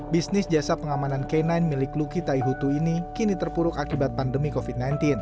bisnis jasa pengamanan k sembilan milik luki taihutu ini kini terpuruk akibat pandemi covid sembilan belas